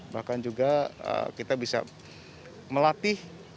bahkan juga kita bisa melatih